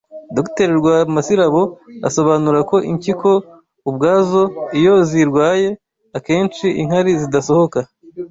Dr Rwamasirabo asobanura ko impyiko ubwazo iyo zirwaye akenshi inkari zidasohoka